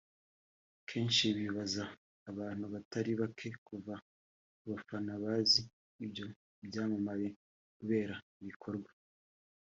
kenshi bibabaza abantu batari bake kuva kubafana bazi ibyo byamamare kubera ibikorwa